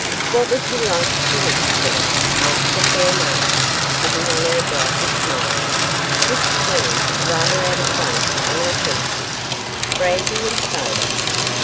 'What would you like to drink, sir?' asked the fair Martha, putting on her brightest smile, which seemed rather out of place on her features; 'brandy and soda?